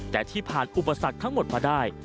แต่ที่ผ่านอุปสรรคทั้งหมดมาได้